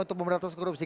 untuk memberatas korupsi